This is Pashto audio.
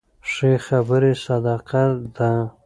ښې خبرې صدقه ده.